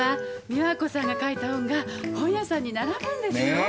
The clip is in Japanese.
美和子さんが書いた本が本屋さんに並ぶんですよ。ね？